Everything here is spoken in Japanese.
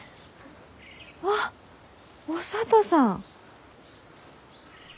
あっお聡さん。